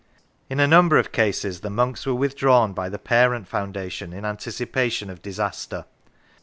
In a number of cases the monks were withdrawn by the parent foundation in anticipation of disaster.